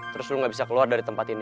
terus lo gak bisa keluar dari tempat ini